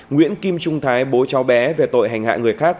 nguyễn kim trung thái bố cháu bé về tội hành hạ người khác